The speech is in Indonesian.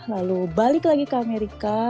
lalu balik lagi ke amerika